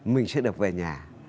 mình sẽ được về nhà